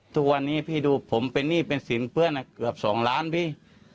ทุกวันนี้พี่ดูผมเป็นหนี้เป็นสินเพื่อนเกือบ๒ล้านพี่